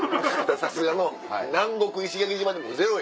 さすがの南国石垣島でもゼロ。